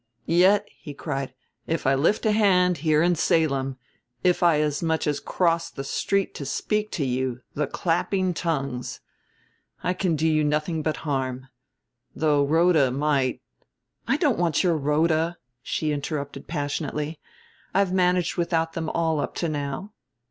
"Yet," he cried, "if I lift a hand, here, in Salem, if I as much as cross the street to speak to you the clapping tongues! I can do you nothing but harm. Though Rhoda might " "I don't want your Rhoda!" she interrupted passionately. "I've managed without them all up to now."